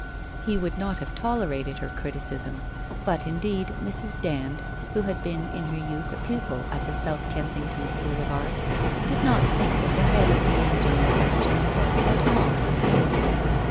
He would not have tolerated her criticism, but, indeed, Mrs. Dand, who had been in her youth a pupil at the South Kensington School of Art, did not think that the head of the angel in ques tion was at all like Amy.